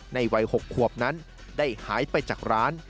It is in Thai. ในวัย๖ขวบนั้นได้หายไปจากร้าน